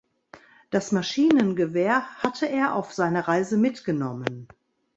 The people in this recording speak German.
Das Maschinengewehr hatte er auf seine Reise mitgenommen.